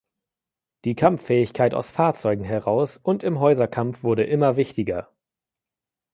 Die Kampffähigkeit aus Fahrzeugen heraus und im Häuserkampf wurde immer wichtiger.